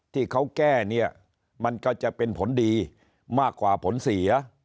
ที่เขาแก้เนี่ยมันก็จะเป็นผลดีมากกว่าผลเสีย